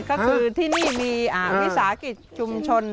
ก็คือที่นี่มีวิสาหกิจชุมชน